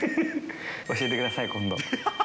教えてください、今度。